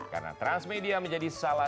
karena transmedia menjadi salah satu